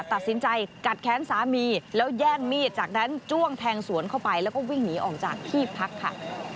ตัดสินใจกัดแค้นสามีแล้วแย่งมีดจากนั้นจ้วงแทงสวนเข้าไปแล้วก็วิ่งหนีออกจากที่พักค่ะ